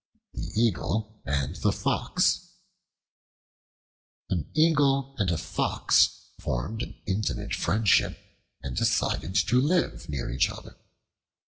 The Eagle and the Fox AN EAGLE and a Fox formed an intimate friendship and decided to live near each other.